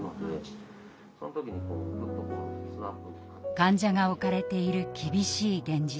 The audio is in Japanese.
患者が置かれている厳しい現実。